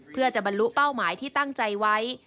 เพื่อจะบรรลุเป้าหมายที่ตั้งใจไว้